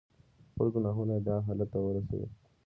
خپل گناهونه ئې دغه حالت ته ورسوي.